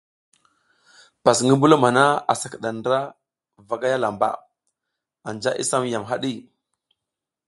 Pas ngi mbulum hana asa kiɗa ndra vagay lamba, anja i sam yam haɗi.